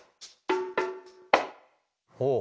ほう。